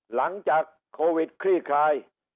หลังจากโควิดคลี่คลาย